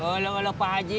oleh pak haji